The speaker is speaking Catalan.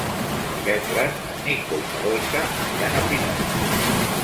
Divendres en Nico i na Dolça aniran a Pinós.